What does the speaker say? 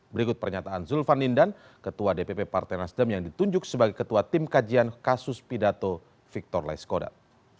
berikut pernyataan zulfan nindan ketua dpp partai nasdem yang ditunjuk sebagai ketua tim kajian kasus pidato victor laiskodat